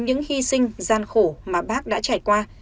những hy sinh gian khổ mà bác đã trải qua